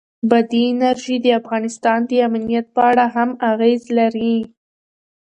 بادي انرژي د افغانستان د امنیت په اړه هم اغېز لري.